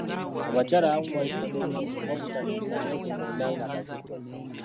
Abakyala abamu bayisa mu myezi oba obutatuusa myezi mwenda nga bazito.